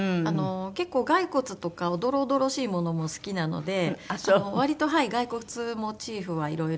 結構骸骨とかおどろおどろしいものも好きなので割と骸骨モチーフはいろいろ使っています。